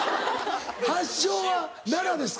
発祥は奈良ですか？